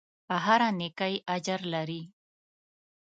هره نېکۍ اجر لري.